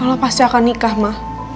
yola pasti akan nikah ma